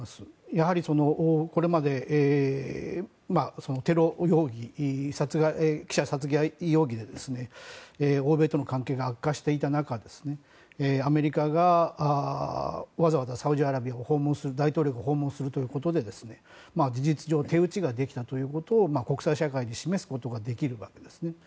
やはり、これまでテロ容疑、記者殺害容疑で欧米との関係が悪化していた中アメリカがわざわざサウジアラビアを大統領が訪問するということで事実上、手打ちができたということを国際社会に見せることができる。